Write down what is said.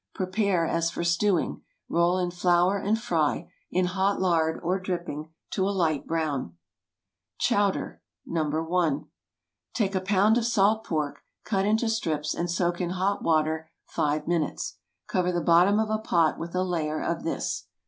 Prepare as for stewing; roll in flour, and fry, in hot lard or dripping, to a light brown. CHOWDER (No. 1.) ✠ Take a pound of salt pork, cut into strips, and soak in hot water five minutes. Cover the bottom of a pot with a layer of this.